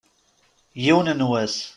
Yiwen n wass.